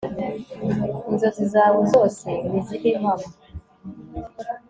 inzozi zawe zose nizibe impamo